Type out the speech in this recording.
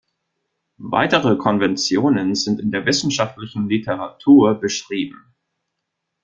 Weitere Konventionen sind in der wissenschaftlichen Literatur beschrieben.